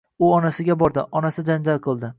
U onasiga bordi, onasi janjal qildi